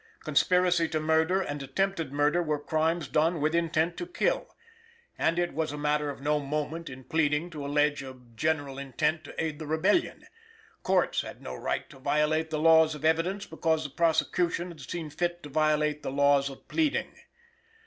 Conspiracy to murder and attempted murder were crimes done with intent to kill; and it was a matter of no moment in pleading to allege a general intent to aid the Rebellion. Courts had no right to violate the laws of evidence because the prosecution has seen fit to violate the laws of pleading.